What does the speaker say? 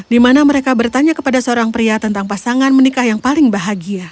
di mana mereka bertanya kepada seorang pria tentang pasangan menikah yang paling bahagia